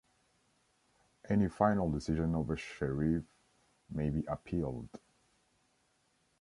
Any final decision of a Sheriff may be appealed.